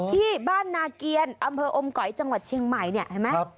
ที่บ้านนาเกียรอำเภออมก๋อยจังหวัดเชียงใหม่เนี่ยเห็นไหม